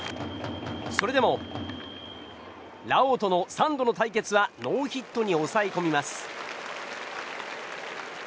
それでもラオウとの３度の対決はノーヒットに抑えこみます。